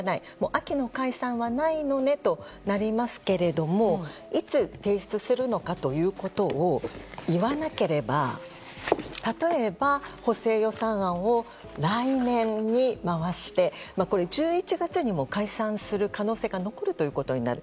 秋の解散はないのねとなりますけれどもいつ提出するのかということを言わなければ例えば、補正予算案を来年に回して１１月にも解散する可能性が残ることになる。